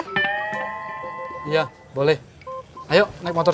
dia sama patristar